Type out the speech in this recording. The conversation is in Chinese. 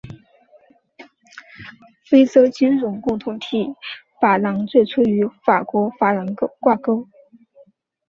非洲金融共同体法郎最初与法国法郎挂钩。